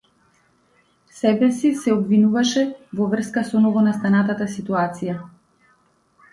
Себеси се обвинуваше во врска со новонастанатата ситуација.